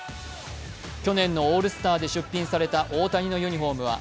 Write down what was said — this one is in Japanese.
去年のオールスターで出品された大谷のユニフォームは